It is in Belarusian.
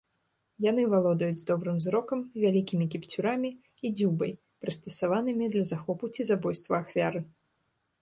Яны валодаюць добрым зрокам, вялікімі кіпцюрамі і дзюбай, прыстасаванымі для захопу ці забойства ахвяры.